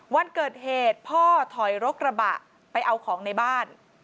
วันเกิดเหตุพ่อถอยรกระบะไปเอาของในบ้าน